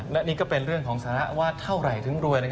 และนี่ก็เป็นเรื่องของสถานะว่าเท่าไหร่ถึงรวย